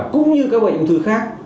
cũng như các bệnh ung thư khác